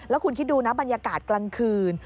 แล้วคุณคิดดูนะบรรยากาศกลางคืน